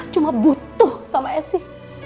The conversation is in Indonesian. cuma butuh sama esi